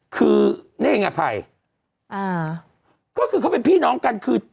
คือนี่เองอภัยอ่าก็คือเขาเป็นพี่น้องกันคือ